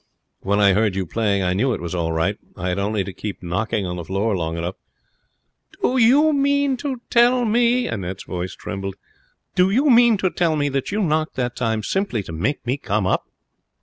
When I heard you playing I knew it was all right. I had only to keep knocking on the floor long enough ' 'Do you mean to tell me' Annette's voice trembled 'do you mean to tell me that you knocked that time simply to make me come up?'